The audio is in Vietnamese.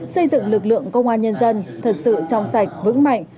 xây dựng lực lượng công an nhân dân thật sự trong sạch vững mạnh